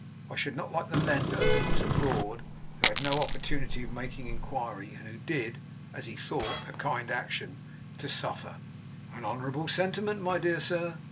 I should not like the lender, who was abroad, who had no opportunity of making inquiry, and who did (as he thought) a kind action, to suffer.' 'An honourable sentiment, my dear sir.